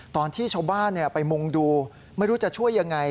ตอนที่ชาวบ้านไปมุงดูไม่รู้จะช่วยยังไง